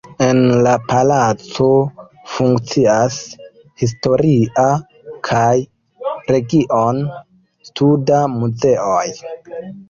En la palaco funkcias historia kaj region-studa muzeoj.